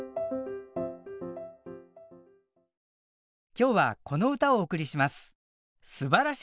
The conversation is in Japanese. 今日はこの歌をお送りします。